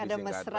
jadi ada mesra